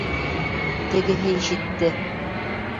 Тегеһе ишетте: